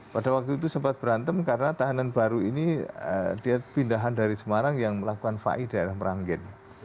pada waktu itu sempat berantem karena tahanan baru ini dia pindahan dari semarang yang melakukan fai daerah meranggen